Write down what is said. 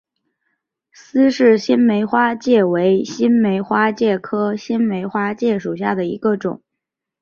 斯氏新梅花介为新梅花介科新梅花介属下的一个种。